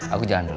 aku jalan dulu